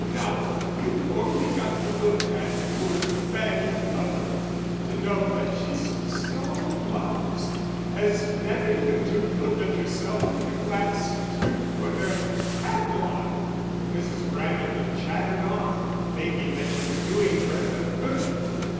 Now, you've only got to look at poor Fanny Glover to know that she's so modest as never even to look at herself in the glass to put her hat on." Mrs. Branderton chattered on, thinking that she was doing Bertha good.